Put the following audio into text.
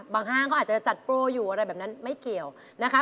ห้างเขาอาจจะจัดโปรอยู่อะไรแบบนั้นไม่เกี่ยวนะคะ